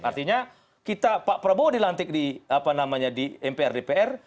artinya kita pak prabowo dilantik di mpr dpr